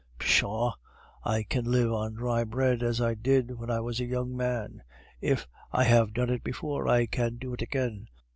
Pshaw! I can live on dry bread, as I did when I was a young man; if I have done it before, I can do it again.